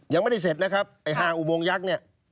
ยังไม่ได้เสร็จนะครับ๕อุโมงยักษ์